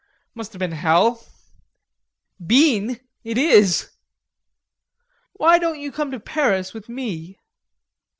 "Must have been hell." "Been! It is." "Why don't you come to Paris with me?"